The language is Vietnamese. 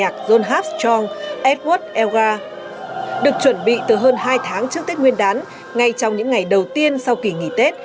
đặc chuẩn bị từ hơn hai tháng trước tết nguyên đán ngay trong những ngày đầu tiên sau kỳ nghỉ tết